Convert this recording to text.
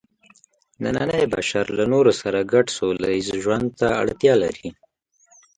نننی بشر له نورو سره ګډ سوله ییز ژوند ته اړتیا لري.